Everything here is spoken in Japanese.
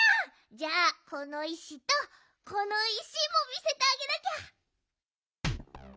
じゃあこのいしとこのいしもみせてあげなきゃ。